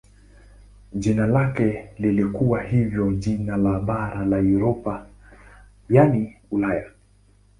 Jina lake lilikuwa hivyo jina la bara la Europa yaani Ulaya.